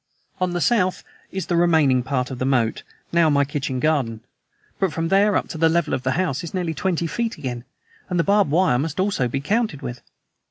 On the south is the remaining part of the moat now my kitchen garden; but from there up to the level of the house is nearly twenty feet again, and the barbed wire must also be counted with.